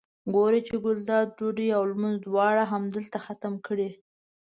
ګوري چې ګلداد ډوډۍ او لمونځ دواړه همدلته ختم کړي.